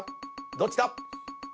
どっちだ